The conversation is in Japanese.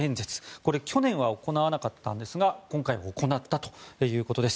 これ、去年は行わなかったんですが今回は行ったということです。